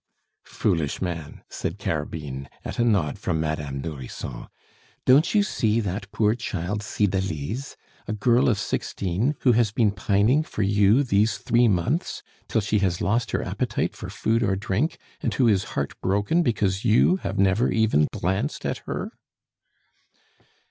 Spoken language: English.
"Foolish man!" said Carabine, at a nod from Madame Nourrisson, "don't you see that poor child Cydalise a girl of sixteen, who has been pining for you these three months, till she has lost her appetite for food or drink, and who is heart broken because you have never even glanced at her?"